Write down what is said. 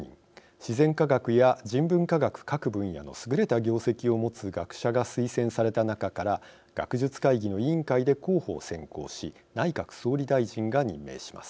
自然科学や人文科学各分野の優れた業績を持つ学者が推薦された中から学術会議の委員会で候補を選考し内閣総理大臣が任命します。